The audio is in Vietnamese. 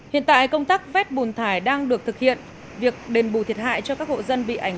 hiện tại công tác vét bùn thải đang được thực hiện việc đền bù thiệt hại cho các hộ dân bị ảnh hưởng